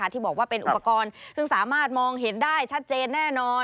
ที่บอกว่าเป็นอุปกรณ์ซึ่งสามารถมองเห็นได้ชัดเจนแน่นอน